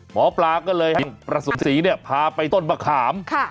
หมอปลาก็เลยให้ประสมศรีเนี่ยพาไปต้นมะขาม